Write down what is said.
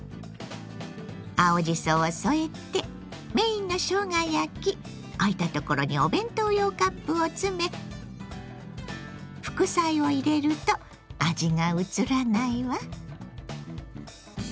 青じそを添えてメインのしょうが焼き空いたところにお弁当用カップを詰め副菜を入れると味が移らないわ。